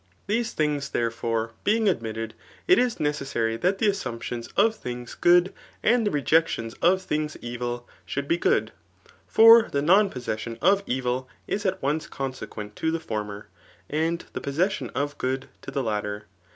These things, therefore, being admitted, it is necessary lliat the assumptions of things good and the rejections of things evil should be good; for the non possession of evil is at once consequent to the former ; and the pos session of good to the htter.